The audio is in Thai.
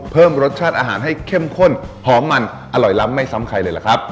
เพิ่มรสชาติอาหารให้เข้มข้นหอมมันอร่อยล้ำไม่ซ้ำใครเลยล่ะครับ